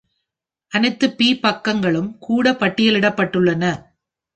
அனைத்து பி-பக்கங்களும் கூட பட்டியலிடப்பட்டுள்ளன.